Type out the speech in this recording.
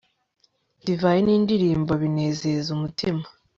divayi n'indirimbo binezeza umutima